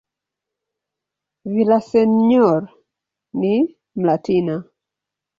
Villaseñor ni "Mlatina".